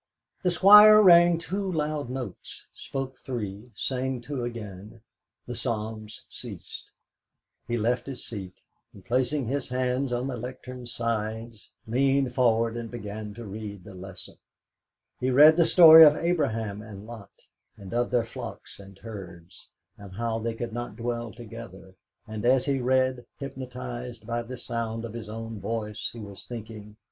The Squire sang two loud notes, spoke three, sang two again; the Psalms ceased. He left his seat, and placing his hands on the lectern's sides, leaned forward and began to read the Lesson. He read the story of Abraham and Lot, and of their flocks and herds, and how they could not dwell together, and as he read, hypnotised by the sound of his own voice, he was thinking: '.